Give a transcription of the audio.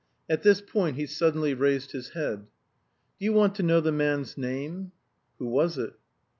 At this point he suddenly raised his head. "Do you want to know the man's name?" "Who was it?"